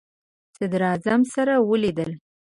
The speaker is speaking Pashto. صدراعظم سره ولیدل.